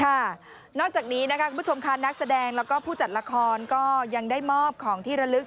นอกจากนี้นะคะคุณผู้ชมค่ะนักแสดงแล้วก็ผู้จัดละครก็ยังได้มอบของที่ระลึก